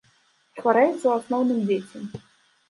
Хварэюць у асноўным дзеці.